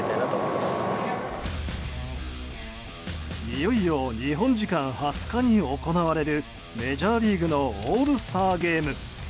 いよいよ日本時間２０日に行われるメジャーリーグのオールスターゲーム。